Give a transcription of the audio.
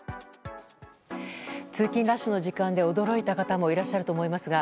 通勤ラッシュの時間で驚いた方もいらっしゃると思いますが。